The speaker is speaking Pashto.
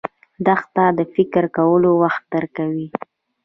دښته د فکر کولو وخت درکوي.